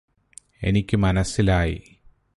എനിക്കു മനസ്സിലായി